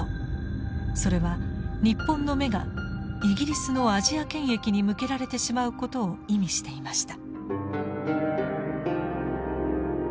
それは日本の目がイギリスのアジア権益に向けられてしまうことを意味していました。